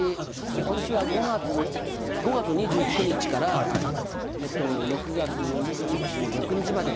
ことしは５月２９日から６月２６日まで。